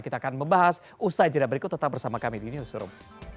kita akan membahas usai jeda berikut tetap bersama kami di newsroom